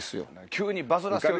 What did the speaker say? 急にバズらせる。